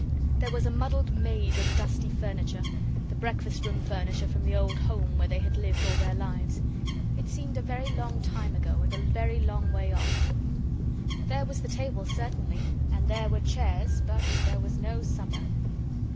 There was a muddled maze of dusty furniture the breakfast room furniture from the old home where they had lived all their lives. It seemed a very long time ago, and a very long way off. There was the table certainly, and there were chairs, but there was no supper.